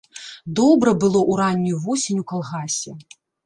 Добра было ў раннюю восень у калгасе.